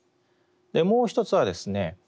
もう一つはですね